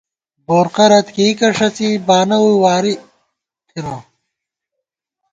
بورقہ رت کېئیکہ ݭڅی ، بانہ ووئی واری تھنہ